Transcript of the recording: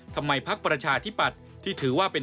พักประชาธิปัตย์ที่ถือว่าเป็น